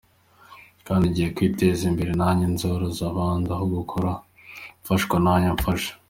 Kandi ngiye kwiteza imbere nanjye nzoroze abandi aho guhora mfashwa nanjye mfashe.